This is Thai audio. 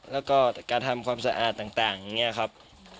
แล้วก็การทำความสะอาดต่างอย่างนี้ครับ